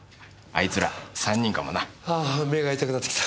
あぁ目が痛くなってきた。